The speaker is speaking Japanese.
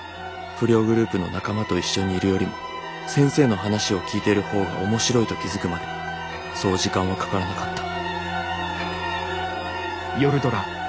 不良グループの仲間と一緒にいるよりも先生の話を聞いてるほうが面白いと気づくまでそう時間はかからなかった」。